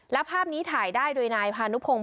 และภาพนี้ถ่ายได้โดยนายพานุพงศ